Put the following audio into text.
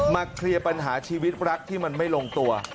เคลียร์ปัญหาชีวิตรักที่มันไม่ลงตัว